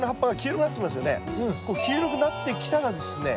黄色くなってきたらですね